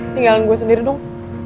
tinggalan gue sendiri dong